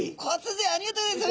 ありがとうございます。